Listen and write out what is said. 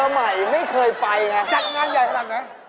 ใหม่ไม่เคยไปไงจัดงานใหญ่ขนาดไหน